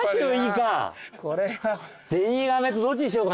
ゼニガメとどっちにしようかな。